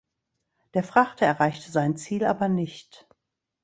Der Frachter erreichte sein Ziel aber nicht.